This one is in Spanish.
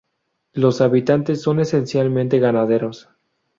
Los habitantes son esencialmente ganaderos.